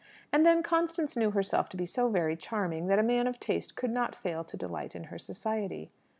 And then Constance knew herself to be so very charming, that a man of taste could not fail to delight in her society.